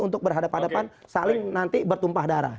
untuk berhadapan hadapan saling nanti bertumpah darah